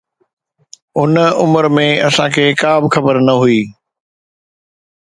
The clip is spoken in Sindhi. ان عمر ۾ اسان کي ڪا به خبر نه هئي.